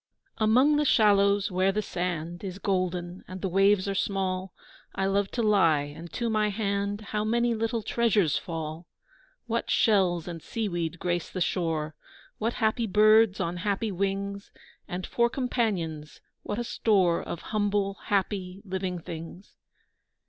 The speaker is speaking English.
AMONG the shallows where the sand Is golden and the waves are small, I love to lie, and to my hand How many little treasures fall! What shells and seaweed grace the shore, What happy birds on happy wings, And for companions, what a store Of humble, happy, living things!